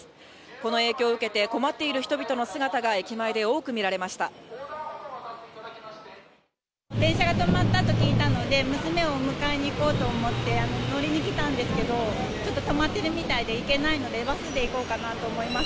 この影響を受けて、困っている人電車が止まったと聞いたので、娘を迎えに行こうと思って、乗りに来たんですけど、ちょっと止まってるみたいで行けないので、バスで行こうかなと思います。